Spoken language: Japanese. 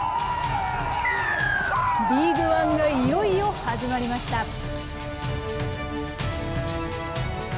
リーグワンがいよいよ始まりました。